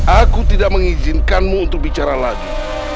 aku tidak mengizinkanmu untuk bicara lagi